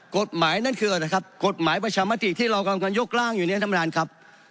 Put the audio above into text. กฎหมายนั่นคืออะไรครับกฎหมายประชามติที่เรากำลังยกร่างอยู่เนี่ยท่านประธานครับ